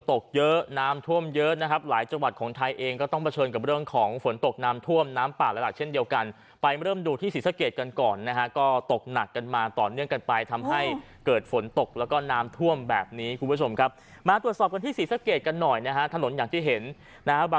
ตกเยอะน้ำท่วมเยอะนะครับหลายจังหวัดของไทยเองก็ต้องเผชิญกับเรื่องของฝนตกน้ำท่วมน้ำป่าละหลักเช่นเดียวกันไปเริ่มดูที่ศรีสะเกดกันก่อนนะฮะก็ตกหนักกันมาต่อเนื่องกันไปทำให้เกิดฝนตกแล้วก็น้ำท่วมแบบนี้คุณผู้ชมครับมาตรวจสอบกันที่ศรีสะเกดกันหน่อยนะฮะถนนอย่างที่เห็นนะฮะ